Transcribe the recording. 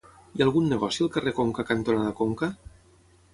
Hi ha algun negoci al carrer Conca cantonada Conca?